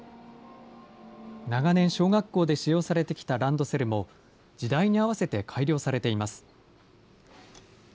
長年、小学校で使用されてきたランドセルも、時代にあわせて改良されています。